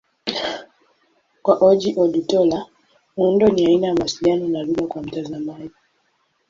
Kwa Ojih Odutola, muundo ni aina ya mawasiliano na lugha kwa mtazamaji.